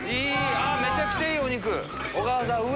めちゃくちゃいいお肉。